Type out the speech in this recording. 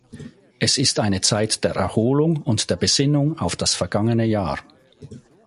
Es ist eine Zeit der Erholung und der Besinnung auf das vergangene Jahr.